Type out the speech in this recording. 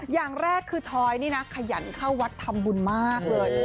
อย่างแรกคือทอยนี่นะขยันเข้าวัดทำบุญมากเลย